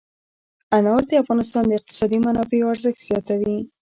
انار د افغانستان د اقتصادي منابعو ارزښت زیاتوي.